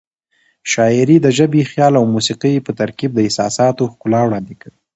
شاعري د ژبې، خیال او موسيقۍ په ترکیب د احساساتو ښکلا وړاندې کوي.